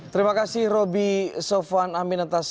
terima kasih roby sofwan aminatas